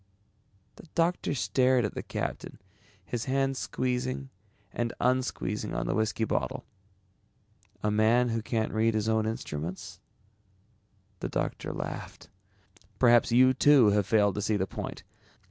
The doctor stared at the captain, his hand squeezing and unsqueezing on the whiskey bottle. "A man who can't read his own instruments?" The doctor laughed. "Perhaps you too have failed to see the point?